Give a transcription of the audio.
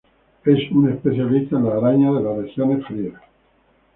Es un especialista en las arañas de las regiones frías.